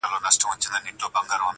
د هلمند څخه شرنګى د امېلونو!